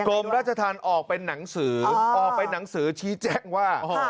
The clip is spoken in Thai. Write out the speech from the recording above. กรมราชธรรมออกเป็นหนังสือออกเป็นหนังสือชี้แจ้งว่า